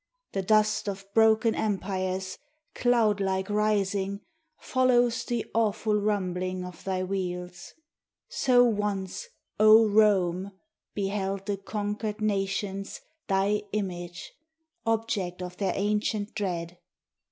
The dust of broken empires, cloud like rising, Follows the awful rumbling of thy wheels. So once, O Rome, beheld the conquered nations Thy image, object of their ancient dread.